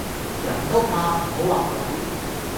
人都怕唔好話鬼